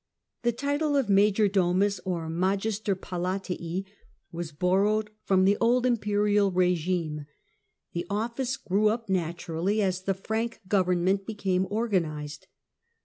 The title of Major Doraus or Magister Palatii was The Major orrowed from the old Imperial regime. The office xew up naturally as the Frank government became rganised.